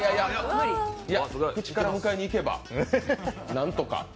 口から迎えに行けば何とか。